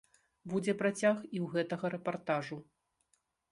Будзе працяг і ў гэтага рэпартажу.